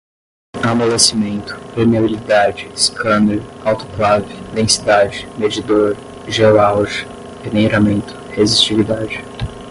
amolecimento, permeabilidade, scanner, autoclave, densidade, medidor, geoauge, peneiramento, resistividade